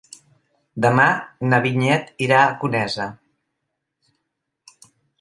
Demà na Vinyet irà a Conesa.